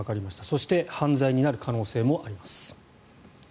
そして犯罪になる可能性もあります。